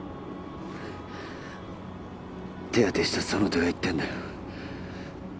手当てしたその手が言ってんだよ